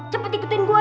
cepet ikutin gua ya